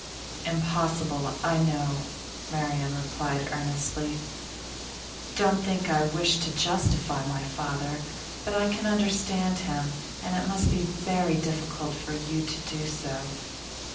'Impossible; I know,' Marian replied earnestly. 'Don't think that I wish to justify my father. But I can understand him, and it must be very difficult for you to do so.